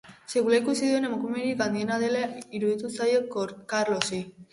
Sekula ikusi duen emakumerik handiena dela iruditu zaio Karlosi.